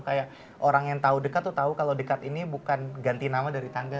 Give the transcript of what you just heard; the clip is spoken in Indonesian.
kayak orang yang tahu dekat tuh tahu kalau dekat ini bukan ganti nama dari tangga